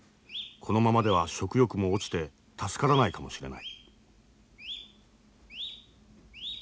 このままでは食欲も落ちて助からないかもしれない。